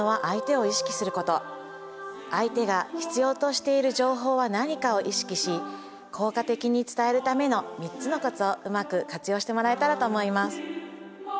相手が必要としている情報は何かを意識し効果的に伝えるための３つのコツをうまく活用してもらえたらと思います。